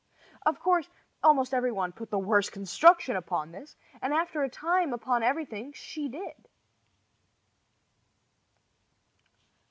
Of course, almost every one put the worst construction upon this, and after a time upon everything she did.